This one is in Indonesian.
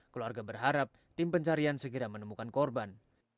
keluarga berharap tim pencarian segera menemukan korban